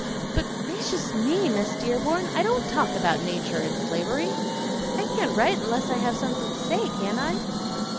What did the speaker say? "But gracious me, Miss Dearborn! I don't talk about nature and slavery. I can't write unless I have something to say, can I?"